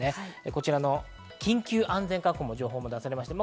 こちらの緊急安全確保の情報も出されました。